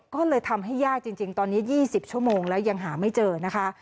ก็เลยทำให้ยากจริงตอนนี้๒๐ชั่วโมงแล้วยังหาไม่เจอนะคะ